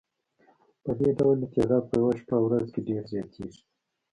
پدې ډول یې تعداد په یوه شپه او ورځ کې ډېر زیاتیږي.